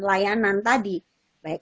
layanan tadi baik